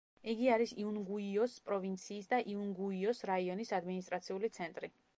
იგი არის იუნგუიოს პროვინციის და იუნგუიოს რაიონის ადმინისტრაციული ცენტრი.